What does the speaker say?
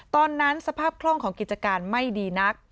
สภาพคล่องของกิจการไม่ดีนัก